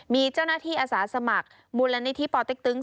มีเจ้าหน้าที่อาสาสมัครมูลนิธิปอเต็กตึง